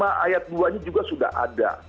satu ratus lima puluh lima ayat dua nya juga sudah ada